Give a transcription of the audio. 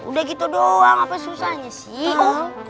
udah gitu doang apa susahnya sih om